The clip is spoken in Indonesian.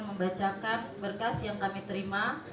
membacakan berkas yang kami terima